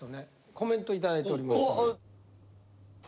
コメント頂いております。